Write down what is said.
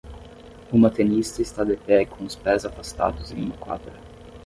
Uma tenista está de pé com os pés afastados em uma quadra.